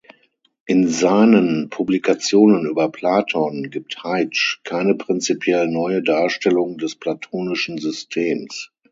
In seinen Publikationen über Platon gibt Heitsch keine prinzipiell neue Darstellung des platonischen Systems.